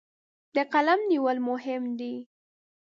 د قلم نیول مهم دي.